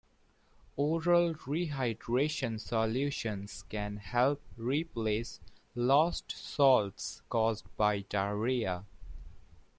Oral re-hydration solutions can help replace lost salts caused by diarrhoea.